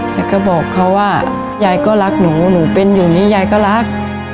แล้วก็บอกเขาว่ายายก็รักหนูหนูเป็นอยู่นี้ยายก็รัก